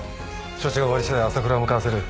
処置が終わりしだい朝倉を向かわせる。